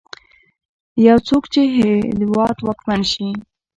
يو څوک چې د هېواد واکمن شي.